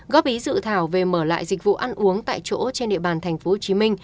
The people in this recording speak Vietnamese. góp ý dự thảo về mở lại dịch vụ ăn uống tại chỗ trên địa bàn tp hcm